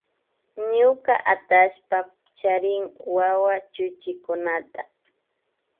Ñuka atallpa charin wawa chuchikunata